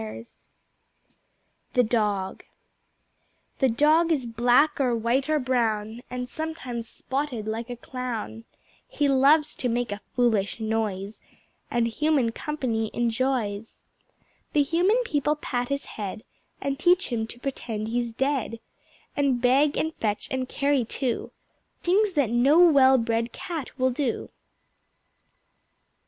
The Dog The Dog is black or white or brown And sometimes spotted like a clown. He loves to make a foolish noise And Human Company enjoys. The Human People pat his head And teach him to pretend he's dead, And beg, and fetch and carry too; Things that no well bred Cat will do.